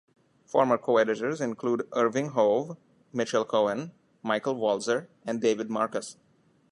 Former co-editors include Irving Howe, Mitchell Cohen, Michael Walzer, and David Marcus.